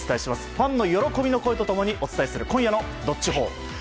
ファンの喜びの声と共にお伝えする今夜の「＃どっちほー」。